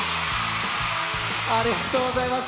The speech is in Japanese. ありがとうございます。